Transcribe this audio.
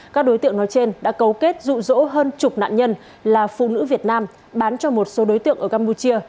các đối tượng nói trên đã cấu kết rụ rỗ hơn chục nạn nhân là phụ nữ việt nam bán cho một số đối tượng ở campuchia